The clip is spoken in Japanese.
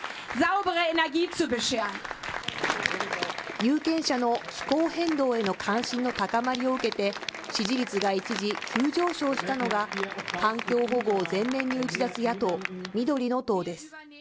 有権者の気候変動への関心の高まりを受けて、支持率が一時、急上昇したのが、環境保護を前面に打ち出す野党・緑の党です。